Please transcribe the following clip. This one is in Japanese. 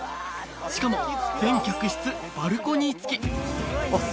しかも全客室バルコニー付きあっ